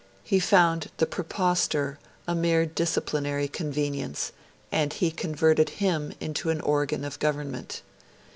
He found the Praepostor a mere disciplinary convenience, and he converted him into an organ of government.